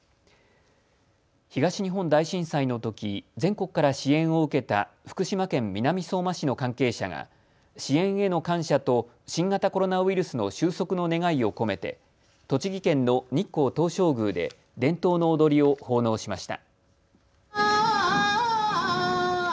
東日本大震災のとき、全国から支援を受けた福島県南相馬市の関係者が支援への感謝と新型コロナウイルスの終息の願いを込めて栃木県の日光東照宮で伝統の踊りを奉納しました。